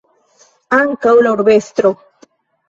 Ankaŭ la urbestro.